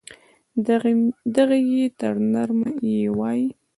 دغې ی ته نرمه یې وايي.